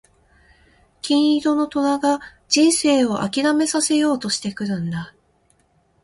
金色の虎が人生を諦めさせようとしてくるんだ。